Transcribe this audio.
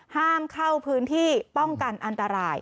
ห้ามเข้าพื้นที่ป้องกันอันตราย